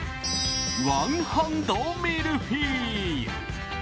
ワンハンドミルフィーユ。